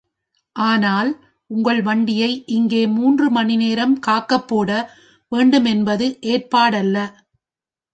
ஆனால், உங்கள் வண்டியை இங்கே மூன்று மணி நேரம் காக்கப்போட வேண்டுமென்பது ஏற்பாடல்ல.